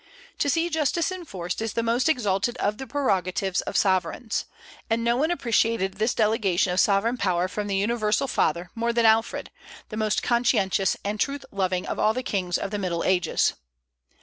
To see justice enforced is the most exalted of the prerogatives of sovereigns; and no one appreciated this delegation of sovereign power from the Universal Father more than Alfred, the most conscientious and truth loving of all the kings of the Middle Ages.